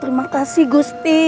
terima kasih gusti